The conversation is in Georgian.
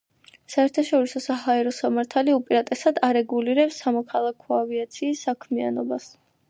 საერთაშორისო საჰაერო სამართალი უპირატესად არეგულირებს სამოქალაქო ავიაციის საქმიანობას.